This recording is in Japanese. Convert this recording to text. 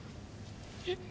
えっ？